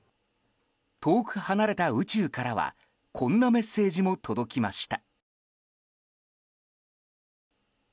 遠く離れた宇宙からはこんなメッセージも届きました。